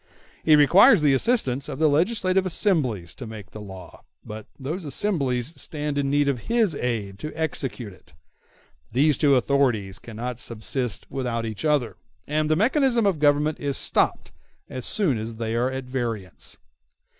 He requires the assistance of the legislative assemblies to make the law, but those assemblies stand in need of his aid to execute it: these two authorities cannot subsist without each other, and the mechanism of government is stopped as soon as they are at variance.